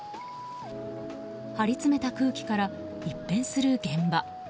張り詰めた空気から一変する現場。